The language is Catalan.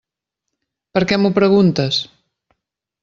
Per què m'ho preguntes?